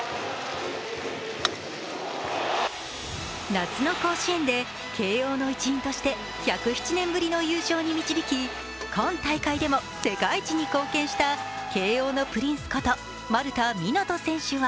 夏甲子園で慶応の一員として１０７年ぶりの優勝に導き、今大会でも世界一に貢献した慶応のプリンスこと丸田湊斗選手は